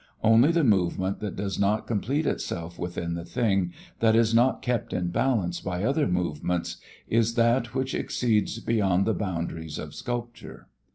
Only the movement that does not complete itself within the thing, that is not kept in balance by other movements, is that which exceeds beyond the boundaries of sculpture.